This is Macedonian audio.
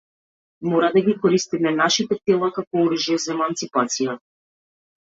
Мора да ги користиме нашите тела како оружје за еманципација.